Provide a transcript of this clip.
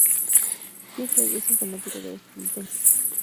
Tinsley es un fanático del tenis.